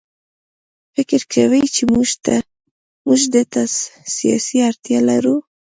فکر کوي چې موږ ده ته سیاسي اړتیا لرو.